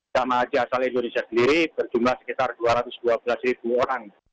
jemaah haji asal indonesia sendiri berjumlah sekitar dua ratus dua belas ribu orang